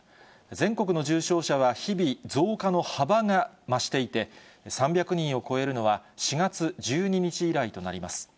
全国の重症者は日々、増加の幅が増していて、３００人を超えるのは４月１２日以来となります。